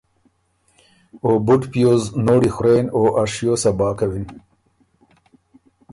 او بُډ پیوز نوړی خورېن او ا شیو صبا کوِن۔